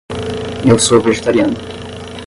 Eu sou vegetariana.